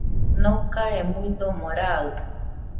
Nokae muidomo raɨ